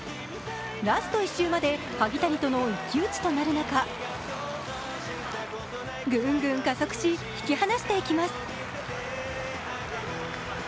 ラスト１周まで萩谷との一騎打ちとなる中グングン加速し、引き離していきます。